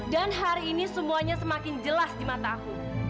dan hari ini semuanya semakin jelas di mata aku